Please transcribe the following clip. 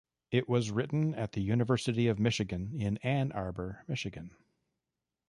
It was written at the University of Michigan, in Ann Arbor, Michigan.